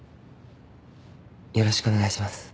よろしくお願いします。